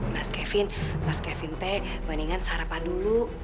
mas kevin mas kevin teh bandingkan sarapan dulu